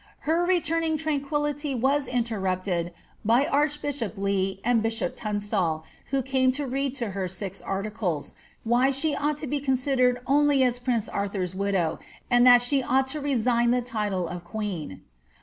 Her letuming tranquillity was interrupted by archbishop Lee and bishop Tunslal,' who came to read to her six articles, showing why she ouglit to be considered only as prince Arthur's widow, and that she ought to reiign the title of queen.